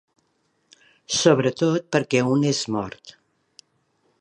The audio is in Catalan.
Sobretot perquè un és mort.